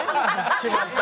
決まった。